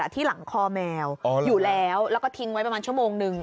ที่หลังคอแมวอยู่แล้วแล้วก็ทิ้งไว้ประมาณชั่วโมงนึง